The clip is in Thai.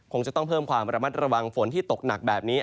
คงจะต้องเพิ่มความระมัดระวังฝนที่ตกหนักแบบนี้